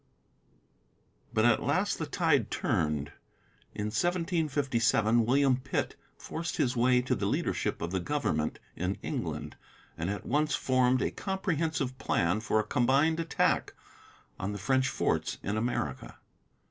But at last the tide turned. In 1757 William Pitt forced his way to the leadership of the government in England, and at once formed a comprehensive plan for a combined attack on the French forts in America.